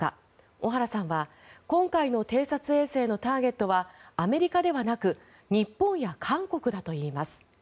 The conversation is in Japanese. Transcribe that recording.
小原さんは今回の偵察衛星のターゲットはアメリカではなく日本や韓国だといいます。